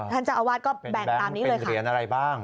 ท่านเจ้าอาวาสก็แบ่งตามนี้เลยค่ะเป็นแบงค์เป็นเหรียญอะไรบ้าง